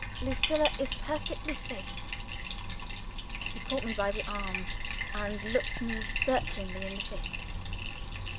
Lucilla is perfectly safe." He caught me by the arm, and looked me searchingly in the face.